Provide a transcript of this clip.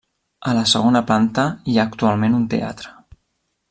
A la segona planta, hi ha actualment un teatre.